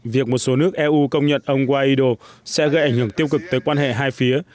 việc một số nước eu công nhận ông guaido sẽ gây ảnh hưởng tiêu cực tới quan hệ hai phía